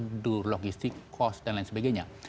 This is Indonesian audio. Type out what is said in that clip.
prosedur logistik cost dan lain sebagainya